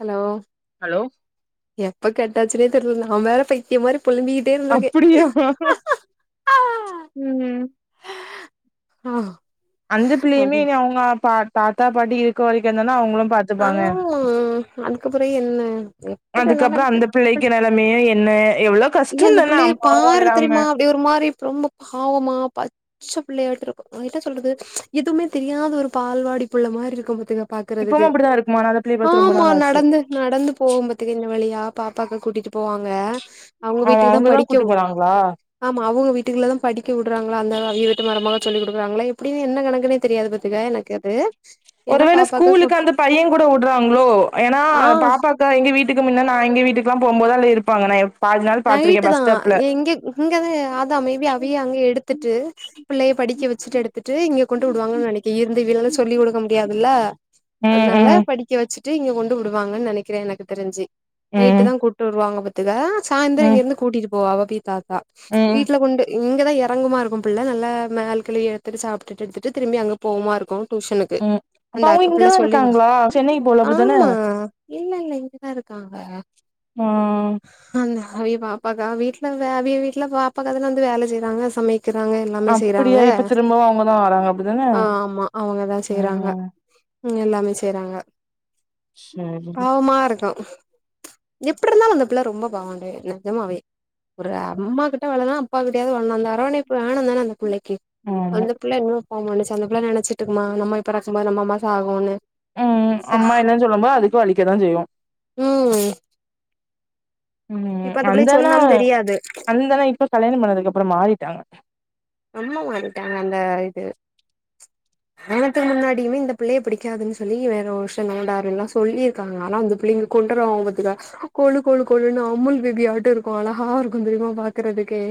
Hello hello எப்ப கட்டாச்சுனே தெரியல நா வேற பைத்தியம் மாரி பொலம்பி ட்டே இருந்திருக்கே அப்டியா ஆ அந்த பிள்ளையுமே அது இன அவங்க பா தாத்தா பாட்டி இருக்க வரைக்கு தானா அவங்களு பாத்துப்பாங்க ம் அதுக்கப்புற என்ன இருக்கு அதுக்கப்பறோ அந்த பிள்ளைக்கு நெலைமையு என்ன எவ்வளோ ஏ கஷ்டோ அந்த தானா புள்ளைய அம்மாவு பாரு இல்லாம தெரியுமா அப்டி ஒரு மாரி ரொம்ப பாவமா பாத் பச்ச பிள்ளையாட்ட இருக்கு அதுட்ட சொல்றது எதுவுமே தெரியாத ஒரு பால்வாடி புள்ள மாரி இருக்கு பாத்துங்க இப்பவு அப்படி தா இருக்குமா ந அது ஆமா நடந்து நடந்து போகு பாத்துக்கோ இந்த வழியா பாப்பாவ கூட்டிட்டு போவாங்க அவங்க அவ வீட்டுக்கு தா அவங்கதா கூட்டு படிக்கவு போறாங்களா ஆமா அவங்க வீட்டுக்குள்ள தா படிக்க விடுறாங்களா அந்த அவ வீட்டு மருமக சொல்லி குடுக்குறாங்களா எப்டின்னு என்ன கணக்குன்னே தெரியாது பாத்தக்க எனக்கு அது ஏன்னா ஒருவேள பாப்பாக்கு கு ஸ்கூலுக்கு அந்த பைய கூட விடுறாங்களோ ஏன்னா ஆ பாப்பா அ எங்க வீட்டுக்கு முன்னா நா எங்க வீட்டுக்குல்லா போகும்போது அதுல இருப்பாங்க பாதி நாள் பாத்திருக்கே நைட்டு தா பஸ் ஸ்டாப்ல எங்க இங்கதா அத மேபி அவயே அங்க எடுத்துட்டு ட்டு பிள்ளைய படிக்க வச்சட்டு எடுத்து த்துட்டு இங்க கொண்டு விடுவாங்கன்னு நெனைக்க இருந்து வ சொல்லி குடுக்க முடியாதுல்ல ம் அதனால ம் படிக்க வச்சுட்டு இங்க கொண்டு விடுவாங்கன்னு நெனைக்கிற எனக்கு தெரிஞ்சு நைட்டு ம் தா கூட்டு வருவாங்க பாத்துக்க சாயந்தர ம் இங்கருந்து கூட்டிட்டு போவ அவ பீத்தாக்கா ம் வீட்டுல கொண்டு இங்கதா எறங்குமா இருக்கு பிள்ள நல்லா மேல கீழயு எடுத்துட்டு சாப்ட்டுட்டு எடுத்துட்டு திரும்பி அங்கே போகுமா இருக்கு டியூஷனுக்கு ம் அப்ப அந்த அவங்க அக்க பிள்ள இங்கதா சொல்லி கூட இருக்காங்களா சென்னைக்கு போல அப்டித்தான ஆமா இல்ல இல்ல இங்கதா இருக்காங்க ஆ அ அவிய பாப்பாக்கா வீட்ல அவிய வீட்ல பாப்பாக்காதான வந்து வேல செய்யறாங்க சமைக்க இருக்கிறாங்க எல்லாமே செய்யறாங்க அப்படியா இப்ப திரும்பவு அவங்கதா வராங்க அப்டிதான ஆ ஆமா அவங்கதா செய்றாங்க ம் ம் எல்லாமே செய்றாங்க சரிதா பாவமா இருக்கு எப்டி இருந்தா அந்த பிள்ள ரொம்ப பாவண்ட நிஜமாவே ஒரு அம்மா கிட்ட வேலைனா அப்பா கடையாது அந்த அரவனைப்பு வேணு தானே அந்த பிள்ளைக்கு ஆமா அந்த பிள்ள இன்னு ஆமானுச்சு அந்த புள்ள நெனச்சிட்ருக்குமா நம்ம எப்படா சும்மா நம்ம அம்மா சாகுனு ம் அம்மா இல்லன் சொல்லும்போ அதுக்கே வலிக்கதா செய்யு ம் இப்ப ம் அந்த பிள்ளைக்கு அந்தண்ணோ சொன்னாலு தெரியாது அந்தண்ணா இப்ப கல்யாண பண்ணதுக்கு அப்பற மாறிட்டாங்க ரொம்ப மாறிட்டாங்க அந்த இது கல்யாணத்துக்கு முன்னாடியுமே இந்த பிள்ளைய பிடிக்காதுனு சொல்லி வேற ஒரு வர்ஷ நோடாருன்லா சொல்லிருக்காங்க ஆனா அந்த பிள்ளைங்க கொண்ட்டு வருவாங்க பாத்துக்க கொழு கொழு கொழுன்னு அமுல் பேபியாட்ட இருக்கு அழகா இருக்கு தெரியுமா பாக் குறதுக்கே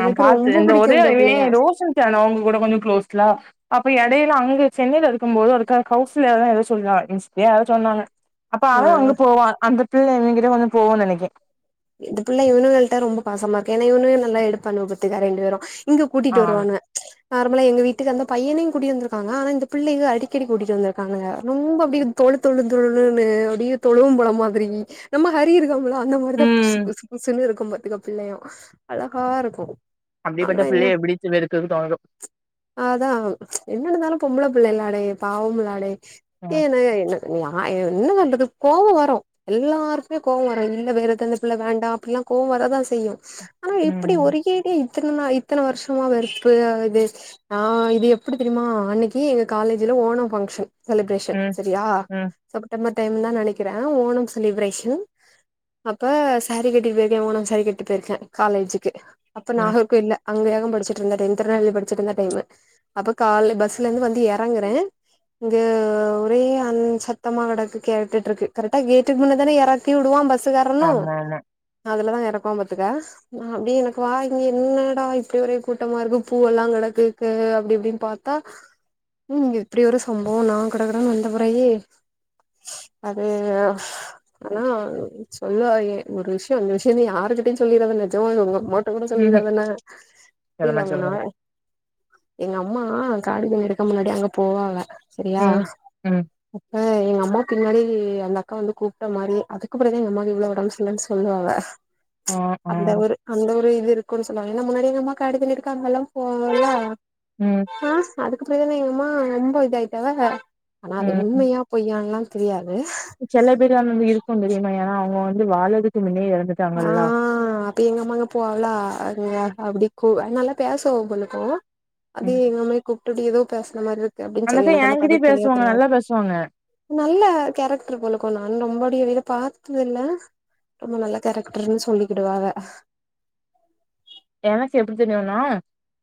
எனக்கு ரொம்ப புடிக் ரே ரே ரோஷன் தியானோ அவ்ங்க கூட கொஞ்ச க்ளோஸ்லா அப்ப எடைல அங்க சென்னைல இருக்கும் போது ஒருக்கா கௌசல்யாதா எதோ சொல்றா இன்ஸ்பி யாரோ சொன்னாங்க அப்ப ஆ அவ அங்க போவா அந்தப்பிள்ள இவங்கிட்ட வந்து போகு நெனைக்கே இந்தப்புள்ள இவனுங்கள்ட்ட ரொம்ப பாமா இருக்கு ஏனா இவனுங்க நல்லா எடுப்பானுங்க பாத்துக்க ரெண்டு பேரு இங்க ஆ கூட்டிட்டு வருவானுங்க நார்மலா எங்க வீட்டுக்கு அந்த பையனையு கூட்டிட்டு வந்திருக்காங்க ஆனா இந்த பிள்ளைக அடிக்கடி கூட்டிட்டு வந்திருக்கானுங்க ரொம்ப அப்டியே தொழு தொழு தொழுனு அப்டியே தொழுவம் பழ மாதிரி நம்ம ஹரி இருக்காம்ல அந்த மாரிதா புசு ம் புசு புசு ன்னு இருக்கு பாத்துக்க பிள்ளையு அழகா இருக்கு ஆனா அப்டிப்பட்ட என்ன பிள்ளைய எப்டி [unintelligible] இருக்குறக்கு தோணுதோ அதா என்ன இருந்தாலு பொம்பள பிள்ளைல அடே பாவமுளாடே ம் ஏனா என்ன நா என்ன பண்றது கோவ வரு எல்லாருக்குமே கோவ வரு இல்ல வேற எதுனு இல்ல வேண்டா அப்டிலா கோவ வர தா செய்யு ஆனா எப்டி ம் ஒரேடியா இத் த்தனமா இத்தன வர்ஷமா வெறுப்பு அது ஆ இது எப்டி தெரியுமா அன்னைக்கு எங்க காலேஜ்ல ஓணோ ஃபங்க்ஷன் செலிப்ரேஷன் ம் செரியா ம் செப்டம்பர் டைம் தா நெனைக்கிறே ஓணம் செலிப்ரேஷன் அப்ப சாரீ கட்டிட்டு போயிருக்கே ஓணம் சாரீ கட்டுப் போயிருக்கே காலேஜுக்கு அப்ப ம் நாகர்கோயில்ல அங்கதாங்க படிச்சுட்ருந்தே டென்த்து வரதா அங்க படிச்சுட்ருந்த டைமு அப்ப கால்லே பஸ்லருந்து வந்து எறங்குறே இங்க ஒரே அன் சத்தமா கெடக்கு கேட்டுட்ருக்கு கரெக்டா கேட்டுக்கு முன்ன தானே எறக்கி விடுவா பஸ்ஸுகார் ரனு ஆமா ஆமா அதுலதா எறக்குவா பாத்துக்க நா அப்டியே எனக்கு வா இங்க என்னடா இப்டி ஒரே கூட்டமா இருக்கு பூவெல்லா கெடக்குருக்கு அப்டி இப்டின்னு பாத் த்தா இங்க இப்டி ஒரு சம்பவ நா கடகடனு வந்த பெறகு அது ஆனா சொல்லுவாங்கெ ஒரு விஷ்ய அந்த விஷ்ய வந்து யாருகிட்டயு சொல்லிறாத நெஜமாலு ஒங்க அம்மாட் ட்டக்கூட சொல்லிறாத என்ன இப்ப இல்ல முன்னா எங்க அம்மா காடி தண்ணி எடுக்க முன்னாடி அங்க போவாக செரியா ம். ம். அப்ப எங்க அம்மா பின்னாடி அந்த அக்கா வந்து கூப்ட்ட மாரி அதுக்கப்பறந்தா எங்கம்மா இவ்ளோ ஒடம்பு செரியில்லன் சொல்லுவாங்க ம் ம் அந்த ஒரு அந்த ஒரு இது இருக்குன்னு சொல்லுவாங்க ஏனா முன்னாடியே எங்கம்மா காடு தண்ணி எடுக்க அங்கெல்லா போவாங்களா ம் ஆ அதுக்கப்றந்தானே எங்கம்மா ரொம்ப இதாயிட்டாங்க ஆனா அது ம். உண்மையா பொய்யான்லா தெரியாது செல பேரு அங்க வந்து இருக்கு தெரியுமா ஏனா அவ்ங்க வந்து வாழறதுக்கு முன்னே எறந்துட்டாங்கல்லா இப்ப எங்க அம்மா அங்க போவாகளா அதுனால அ புடிக்கு அது நல்லா பேசுவா உங்களுக்கு அது ம். எங்கம்மாய கூப்டுட்டு எதோ பேசுன மார்ருக்கு அப்டின்னு செரி அக்கா எனக்கு அந்த கத என்கிட்டயே செரியா பேசுவாங்க. தெரியாது நல்லா பேசுவாங்க. நல்ல கேரக்ட்ரு போலக்கோ நானு ரொம்படிய இத பாத்ததில்ல ரொம்ப நல்ல கேரக்ட்ருன்னு சொல்லிக்கிடுவாக எனக்கு எப்டி தெரியுனா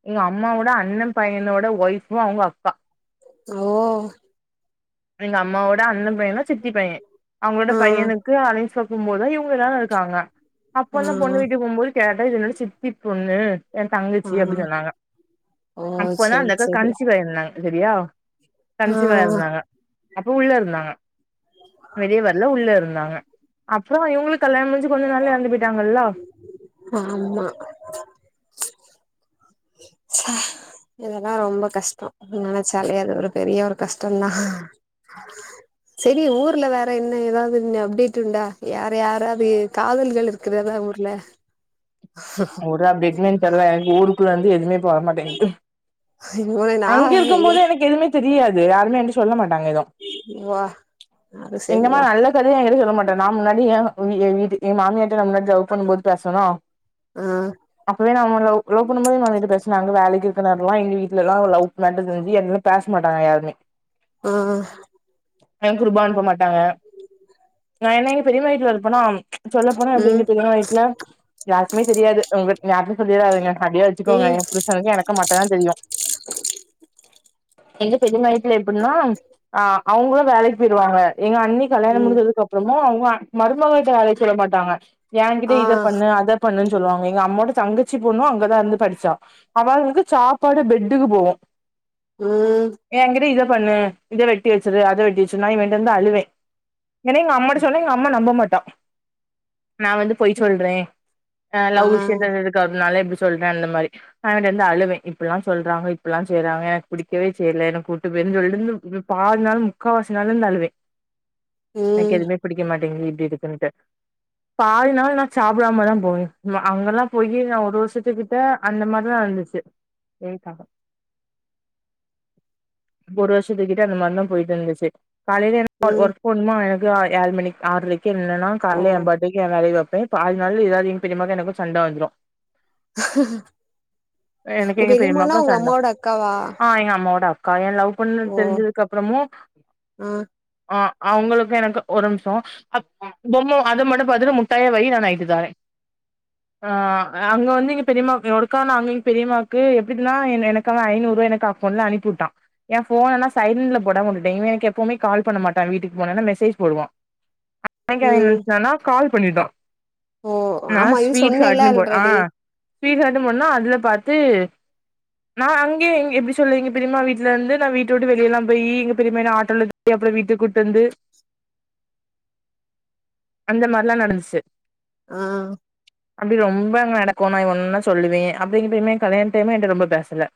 எங்க அம்மாவோட அண்ண பையனோட ஒய்ஃபு அவ்ங்க அப்பா ஓ எங்க அம்மாவோட அண்ண பையனோ சித்தி பைய அவ்ங்களோட ஆ பையனுக்கு அலைன்ஸ் பா க்கும் போதா இவ்ங்க எல்லாரு இருக்குறாங்க ஆ அப்பதா பொண்ணு வீட்டுக்கு போம்போது கேட்டே இது என்னோட சித்தி பொண்ணு என் ஆ தங்கச்சி அப்படின் சொன்னாங்க ஓ அப்போதா செரி அந்தக்கா செரி கன்சீவ் ஆயிருந்தாங்க சரியா ஆ கன்சீவ் ஆயிருந்தாங்க அப்ப உள்ள இருந்தாங்க வெளிய வரல உள்ள இருந்தாங்க அ ப்றோ இவங்களுக் கல்யாணோ முடிஞ்சு கொஞ்ச நாள்ல எறந்து போயிட்டாங்கல்ல ஆமா ச இதெல்லா ரொம்ப கஷ்டோ நெனைச்சாலே அது ஒரு பெரிய ஒரு கஷ்டந்தா [inaudible] செரி ஊர்ல வேற என்ன எதாவது இன்ன அப்டேட் உண்டா யார் யாராவது காதல்கள் இருக்குறதா ஊர்ல ஒரு அப்டேட்மே தெர்ல எனக்கு ஊருக்குல வந்து எதுமே வர மாட்டேங்குது நா அங்க இருக்கு போது எனக்கு எதுவுமே தெரியாது யாருமே என்ட்ட சொல்ல மாட்டாங்க எதுவு வா அது சரிலா எங்கிட்ட எது சொல்ல மாட்டா நா முன்னாடி என் வீட்டு என் மாமியாட்ட நா முன்னாடி லவ் பண்ணு போது பேசுவனா ம் அப்பவே நம்ம லவ் லவ் பண்ணு போது நா வந்துட்டு பேசினாங்க வேலைக்கு இருக்குற நேரலா எங்க வீட்லல்லாம் லவ் மேட்டர் தெரிஞ்சு எங்ல பேச மாட்டாங்க யாருமே ஓ ஹோ நென்சுருப அனுப்ப மாட்டாங்க நான் என்ன எங்க பெரிம்மா வீட்ல இருப்பனா சொல்ல போனா அப்படி ம் எங்க பெரிம்மா வீட்ல எதுமே தெரியாது உங்க யார்ட்டயு சொல்லிடாதிங்க அப்படியே வச்சுக்கோங்க ம் என் புருஷன்க்கு எனக்கு மட்டுதா தெரியு எங்க பெரிம்மா‌‌ வீடல எப்படின்னா அ அவங்களு வேலைக்கு போயிடுவாங்க எங்க அண்ணி கல்யாணம் ம் முடிஞ்சதுக்கப்புறமு அவங்க மருமகிட்ட வேல சொல்ல மாட்டாங்க என்கிட்ட ஆ இத பண்ணு அத ன் சொல்லுவாங்க எங்க அம்மோட தங்கச்சி பொண்ணு அங்கதா இருந்து படிச்சா அவாளுகளுக்கு சாப்பாடு பெட்டுக்கு போவு ம் என்கிட்ட இத பண்ணு இத வெட்டி வச்சிரு அத வெட்டி வச்சு நா இவன்ட்ட வந்து அழுவே ஏன்னா எங்க அம்மாட்ட சொன்னா எங்க அம்மா நம்ப மாட்டா நா வந்து பொய் சொல்றே அ ஆ லவ் விஷ்யோ தெரிஞ்சதுக்கு அதுனால இப்டி சொல்றே அந்த மாரி அவன்ட்ட வந்து அழுவே இப்டிலா சொல்றாங்க இப்பிலா செய்றாங்க எனக்கு புடிக்கவே செய்யல என்ன கூட்டு போயிருனு சொல்ட்டு இவ [inaudible] பாதி நாளு முக்கா வாசி நாளு வந்தழுவே எனக்கு ம் எதுவுமே புடிக்க மா ட்டு இப்டி இருக்கின்டு பாதி நாள் நா சாப்டாம தா போவே மா அங்கெல்லா போயி நா ஒரு வருஷத்து கிட்ட அந்த மாரிதா இருந்துச்சு எதுக்காக [inaudible] ஒரு வருஷத்து கிட்ட அந்த மாரி தா போயிட்டு இருந்துச்சு காலைல ஒர் ம் ஒர்க் போனுமா எனக்கு ஆ ஏழு மணிக் ஆறுரைக்கு என்னன்னா ஓ கால்ல ஏம்பா டைக்கு ஒன்னு வெறவி வப்பே பாதி நாள் எதாவது எங்க பெரியமாக்கு எனக்கு சண்ட வந்துரு எனக்கு எங்க பெரியம்மானா பெரியமாக்கு உங்க சண்ட அம்மாவோட அக்காவா ஆ எங்க அம்மாவோட அ க்கா ஏன் லவ் பண்ண ஓ தெரிஞ்சதுக்கு அப்றமு ஆ ஆ அவங்களுக்கு எனக்கு ஒரு நிம்ஷோ பொம்ம அது மடப் அதுல முட்டாய வையி நா நைட்டு தாரே ஆ அங்க வந்து எங்க பெரியமாக்கு ஒருக்கானு அங்க எங்க பெரியமாக்கு எப்டின்னா என் எனக்காக ஐநூருபா எனக்கு பொண்ண அனுப்பிவுட்டா என் ஃபோனலா சைலன்ட்ல போடாம உட்டுட்டே இவே எனக்கு எப்பவுமே கால் பண்ண மாட்டா வீட்டுக்கு போனன்னா மெசேஜ் போடுவா [inaudible] [unintelligible] ம் நெனச்சுட்டானா கால் பண்ணிட்டா ஓ நா ஆமா இது சொன்னேல்ல ஸ்வீட்ஹாட்னு போ ஆ ஆல்ரெடி ஸ்வீட்ஹாட்னு போட்டனா அதுல பாத்து நா அங்கே இங்க எப்டி சொல்ல எங்க பெரிமா வீட்ல இருந்து நா வீட்ட வுட்டு வெளியலா போய் எங்க பெரியமா என்ன ஆட்டோல கேப்ல வீட்டு கூட்டு வந்து [inaudible] அந்த மார்லா நடந்துச்சு ம் அப்டி ரொம்ப அங்க நடக்கு நா ஒன்னு சொல்லுவே அப்டிங்குமே கல்யாண டைம் என்ட ரொம்ப பேசல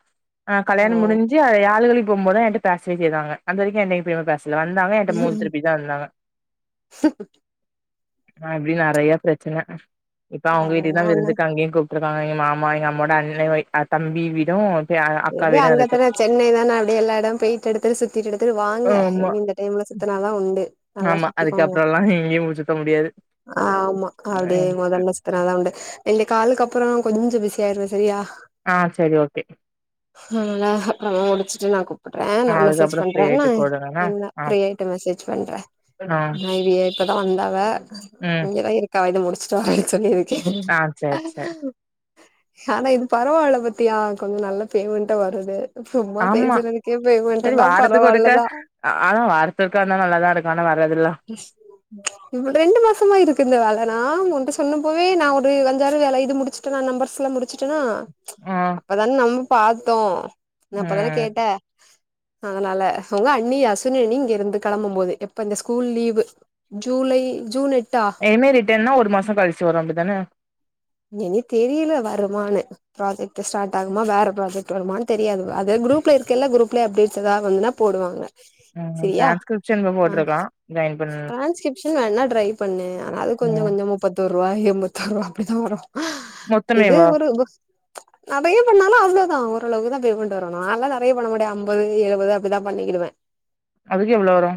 ஆ ஓ கல்யாணம் முடிஞ்சி அவ யாழுகளி போபோது தா என்ட்ட பேசவே செய்தாங்க அது வரைக்கு என்ட்ட பேச வந்தாங்க என்ட மூஞ்ச திருப்பிதா இந்தாங்க இப்டி நறைய பிர ச்சன இப்ப அவங்க அதெல்லா வீட்டுக்குதா ஒண்ணு விருந்துக்கு அங்கயு கூப் டுருக்காங்க எங்க மாமா எங்க அம்மோட அண்ணே தம்பி வீடு அ அக்கா ஏ வீடு அங்க இருக்கு தான சென்னை தான அப்டி எல்லா இடம் போயிட்டு எடுத்துடு சுத்திட்டு எடுத்துட்டு வாங்க ஆமா இந்த டைம்ல சுத்தனாதா உண்டு நல்லா ஆமா சுத்திக்கோங்க அதுக்கப்றோல்லா எங்கயு மூச்சு குத்த முடியாது ஆமா அப்டியே முதல்ல சுத்தன தா உண்டு இந்த காலுக்கு அப்பறோ கொஞ்ச பிஸி ஆயிருவே சரியா ஆ செரி ஓகே ஹலோலா அப்பறமா முடிச்சிட்டு நா கூப்புடுறே ஆ நா மெசேஜ் அதுக்கப்றோ ஃப்ரீ பண்றே நா ஆயிட்டு கூப்டுங்க என்ன ஆ ஃப்ரீயாயிட்டு மெசேஜ் பண்ற ஆ நைவி இப்பதா வந்தாவ ம் இங்கதா இரு க்கா இத முடிச்சுட்டு வரே சொல்லி இருக்கே ஆ சேர் சேர் ஆனா இது பரவால்ல பாத்தியா கொஞ்ச நல்ல பேமெண்டு வருது சும்மா ஆமா பேசுறதுக்கே சரி பேமெண்டுனா வாரத்துக்கு ஒருக்க பரவால்லதா ஆனா வாரத்து ஒருக்கா வந்தா நல்லாதா இருக்கு ஆனா வராதுல்லா ரெண்டு மாசமா இருக்கு இந்த வேலனா உண்ட சொல்லும் போவே நா ஒரு அஞ்சாறு வேல இது முடிச் டு நா நம்பர்ஸ்லா முடிச்சுட்டனா ம் இப்பதானே நம்ம பாத்தோ நா அப்பதான ம் கேட்ட அதனால அவங்க அண்ணி அஸ்சுவனி அண்ணி இங்க இருந்து கெளம்பும் போது எப்ப இந்த ஸ் கூல் லீவ்வு ஜூலை ஜூன் எட்டு ஆ என்ன ரீட்டண்ணா ஒரு மாச கழிச்சு வரு அப்டிதான எனிக் தெரில வருமான்னு ப்ராஜெக்ட் ஸ்டார்ட் ஆகுமா வேற ப்ராஜெக்ட் வருமான் தெரியாது அது குரூப்ல இருக்கல்ல குரூப்ல அப்டேஸ்ட் ஏதா வந்தன்னா போடுவாங்க ம் சரியா டிரான்ஸ்கிரிப்ஷன் ஆ போட்ருக்கா ஜாயின் பண்ண ட்ரான்ஸ்கிரிப்ஷன் வேனா ட்ரைப் பண்ணு ஆனா அது கொஞ்ச ம் கொஞ்சமா முப்பத்தோருவா எம்பத்தோருவா அப்டிதா வரு இது மொத்தமேவா ஒரு நறைய பண்ணாலு அவ்ளவுதா ஓரளவுக்கு தா பேமெண்ட் வரு நால்லா நெறைய பண்ண மாட்ட ஐம்பது எழுபது அப்படிதா பண்ணிக்கிடுவ [inaudible] அதுக்கு எவ்ளோ வரு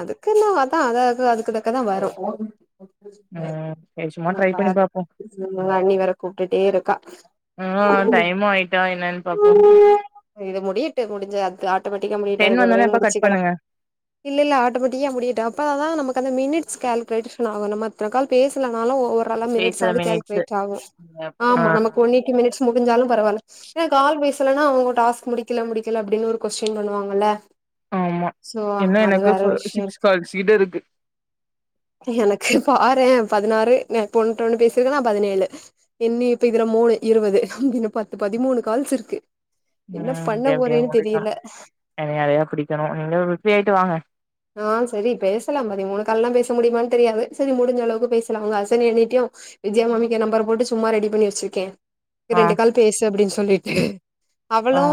அதுக்கு ந அதா அத அதுக்குதக்க தா வரு ம் சரி சும்மா ஆ ட்ரை பண்ணி பாப்போ பார் அண்ணி வேர கூப்டுட்டே இருக்கா ஆ டைம்மு ஆயிட்டா என்னன் பாப்போ இது முடியட்டு முடிஞ்ச அது ஆட்டோமேட்டிக்கா முடியட்டோ டென் அதுக்குப்றோ வந்தோனே அப்ப கட் முடிச்சுக்கலா பண்ணுங்க இல்ல இல்ல ஆட்டோமேட்டிக்கா முடியட்டு அப்ப அதா நமக்கு அந்த மினிட்ஸ் கேல்குலுலேஷன் ஆகணும் அத்தன கால் பேசலாம் இருந்தாலு ஓவரால மினிட்ஸ் பேசுற சாது மினிட்ஸு கேல்குலேட் ஆகு ஆ ஆமா நமக்கு ஒன் எய்ட்டி மினிட்ஸ் முடிஞ்சாலு பரவால்ல ஏன்னா கால் பேசலனா அவங்க டாஸ்க் முடிக்கல முடிக்கல அப்டின்னு ஒரு கொஸ்டின் பண்ணுவாங்கல்ல ஆமா சோ இன்னு அது எனக்கு வேற ஃப சிக்ஸ் விஷயருக்கு கால்ஸ் கிட்ட இருக்கு எனக்கு பாரே பதினாறு உண்ட ஒண்ணு பேசிருக்கன பதினேழு என்ன இப்ப இதுல மூணு இருவது நமக்கு பத்து பதி மூணு கால்ஸ் இருக்கு என்ன ம் பண்ண எப்டியோ போறேன்னு முடிக்கு தெரியல என எதையா குடிக்கணு நீங்க ப்ரீ ஆயிட்டு வாங்க ஆ சரி பேசலாம் பதி மூணு கால்லாம் பேச முடியுமான்னு தெரியாது செரி முடிஞ்ச அளவுக்கு பேச லா அவங்க அசன்ட் அண்ணிட்டு வித்யா மாமிக்கு என் நம்பர போட்டு சும்மா ரெடி பண்ணி வச்சிருக்கே ஆ ரெண்டு கால் பேசு அப்டின் சொல்லிட்டு அவளு ஆ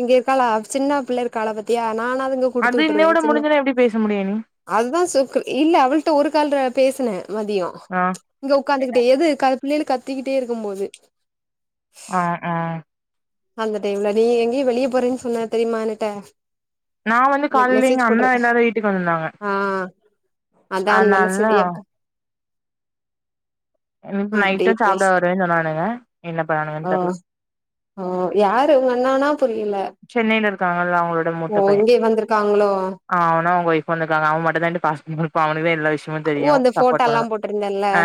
இங்க இருக்காளா சின்னா பிள்ள இருக்காள பத்தியா நானது இங்க அது இன்னையோட முடிஞ்சனா எப்டி பேச முடியு நீ அதா சர்கிள் இல்ல அவள்ட ஒரு கால்ற பேசினே மதியோ ஆ இங்க உட்காந்துகிட்டே எது க பிள்ளைகளு கத்திக்கிட்டே இருக்கு போது ஆஹ் ஆஹ் அந்த டைம்ல நீ எங்கேயோ வெளிய போறேனு சொன்ன தெரியுமா எனட்ட நா வந்து லைக் காலைல எங்க மெசேஜ் அண்ணா போட்றது எல்லாரு வீட்டுக்கு வந்திருந்தாங்க ஆஹ் அதான் நல்லா அதனால செரியப்பா இன்னைக்கு நைட்டு அப்டியே சாப்ட பேசு வருவேனு சொன்னானுங்க என்ன பண்ணானுங்கனு தெர்ல ஓ யாரு உங்க அண்ணனா புரியல சென்னைல இருக்காங்கல்ல அவுங்களோட ஓ மூத்த பையே இங்கே வந்திருக்காங்களோ ஆ அவனு அவுங்க ஒய்ஃப் வந்திருக்காங்க அவ மட்டுதா ரெண்டு பசங்களுக்கு அவனவே எல்லா விஷ்ய மு ஓ தெரியு அந்த சப்போர்ட் போட்டோல்லா பண்ணனு போட்டிருந்தேல்ல அ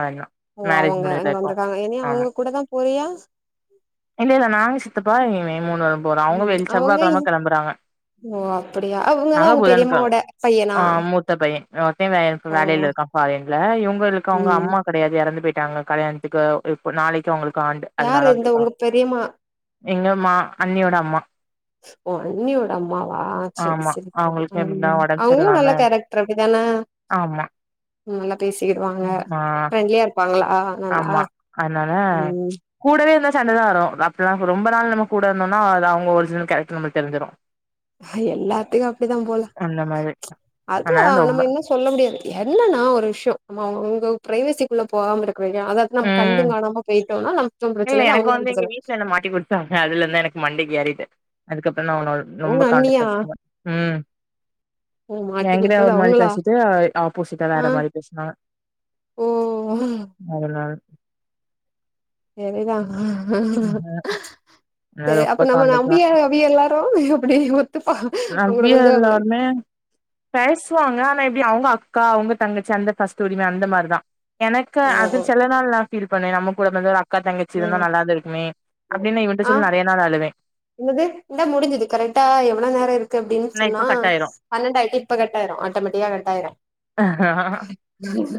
அறிஞ்ஞா ஓ அவுங்க அங்க வந்திருக்காங்க ஏ நீ அவுங்க கூடதா போறியா இல்ல இல்ல நானு சித்தப்பா இவே மூணு பேரு போறோ அவுங்க ம் வெளி அவங்க செவ்வாக்கெழம கெளம்புறாங்க ஓ அப்டியா அ இவுங்கதா நாங்க உங்க புதன்கெழம பெரியம்மாவோட பையனா ஆ மூத்த பையே இவே ஒருத்தே வே இப்ப ஓ வேலேல இருக்கா ஃபாரின்ல இவுங்களுக்கு அவுங்க ம் அம்மா கெடையாது எறந்து போயிட்டாங்க கல்யாணத்துக்கு இப்ப நாளைக்கு அவுங்களுக்கு ஆண்டு யாரு இந்த உங்க பெரியமா எங்கம்மா அண்ணியோட அம்மா ஓ அண்ணியோட அம்மாவா செரி ஆமா செரி போ அவங்களுக்கு எப்டினா ம் ஒடம்பு அவுங்களு நல்ல சரியில்லாம கேரக்டர் அப்டித்தான ஆமா நல்லா பேசிகிடுவாங்க ஆ ஃபிரண்ட்லியா இருப்பாங்களா நல்லா ஆமா அதனால ம் கூடவே இருந்தா சண்ட தா வரு அப்பலாம் ரொம்ப நாள் நம்ம கூட இருந்தோனா அது அவுங்க ஒரிஜினல் கேரக்டர் நம்மளுக்கு தெரிஞ்சிரு எல்லாத்துக்கு அப்டித்தா போல அந்த மாதிரி அது அதனால அ ரொம்ப நம்ம என்ன சொ சொல்ல முடியாது என்னனா ஒரு விஷ்யோ நம்ம அவுங் அவுங்க பிரைவேசிக்குள்ள போகாம இருக்க வேண்டியதா அதாவ நம்ம கண்டு ம் காணாம போயிட்டோனா நமக்கும் ப்ரெச்சன இல்ல எனக்கு அவங்களு வந்து எங்க ப்ரெச்சன வீட்ல மாட்டி கொட் டாங்க அதுல இருந்துதா எனக்கு மண்டைக்கு ஏறது அதுக்கப்பறோ நா அவனோ நொம்ப உங்க அண்ணியா காண்டித்து சுமா உம் ஓ மாட்டி எங்கட்ட குடுத்தது ஒரு மாரி அவங்களா பேசிட்டு அ ஆப்போசிட்டா ஆ வேற மாரி பேசினாங்க ஓ அதனால எரிதா து ஆஹ ரொம்ப அப்ப நம்ம காண்டாக்ட் தா நம்பிய அவிக எல்லாரு அப்டி ஒத்துப்பா அவுங்களோட நவ்யா கொஞ்சோ கோய் எல்லாருமே பேசுவாங்க ஆனா இப்டி அவுங்க அக்கா அவுங்க தங்கச்சி அந்த ஃபஸ்ட்டு உரிம அந்த மாரிதா எனக்கு அது ம் செல நாள் நா ஃபீல் பண்ணே நம்ம கூட வந்து ஒரு அக்கா தங்கச்சி இருந்த ம். நல்லாதே ஏன் அப்டின்னு இவன்ட ஆ சொல்லி நெறைய நாள் அழுவே என்னது இந்தா முடிஞ்சுது கரெக்டா எவ்ளோ நேரோ இருக்கு அப்டினு ஆனா சொன்னா இப்ப கட் பன்னெண்ட ஆயிட்டு இப்ப கட்டாயிரு ஆட்டோமெட்டிக்கா கட்டாயிரு ஆயிரு உம்